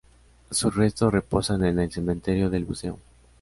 Sus restos reposan en el Cementerio del Buceo.